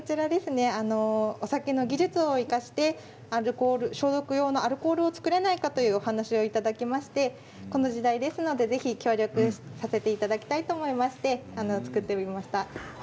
お酒の技術を生かしまして消毒用のアルコールを作らないかというお話をいただきましてこの時代ですのでぜひ協力させていただきたいと思いまして作ってみました。